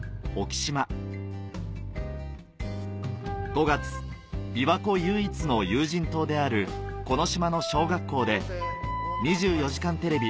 ５月琵琶湖唯一の有人島であるこの島の小学校で『２４時間テレビ』